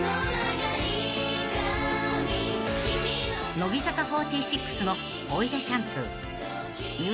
［乃木坂４６の『おいでシャンプー』］